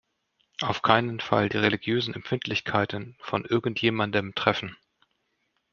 Auf keinen Fall die religiösen Empfindlichkeiten von irgendjemandem treffen.